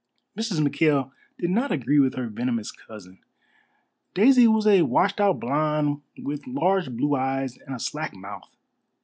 Mrs. McKail did not agree with her venomous cousin. Daisy was a washed out blonde with large blue eyes and a slack mouth.